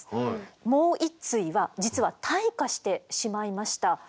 もう一対は実は退化してしまいました。